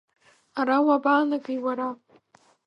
Ара уабаанагеи уара?!